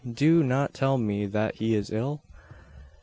Do not tell me that he is ill?"